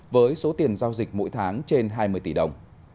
với số tiền giao dịch mỗi tháng trên hai mươi tỷ đồng